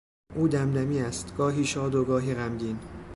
او دمدمی است: گاهی شاد و گاهی غمگین